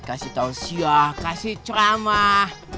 beri tahu siah beri ceramah